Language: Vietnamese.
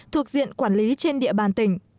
thuộc diện quản lý trên địa bàn tỉnh